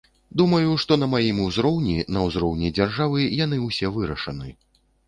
Думаю, што на маім узроўні, на ўзроўні дзяржавы яны ўсё вырашаны.